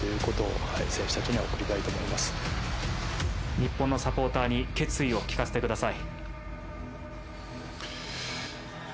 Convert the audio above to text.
日本のサポーターに決意を聞かせてください。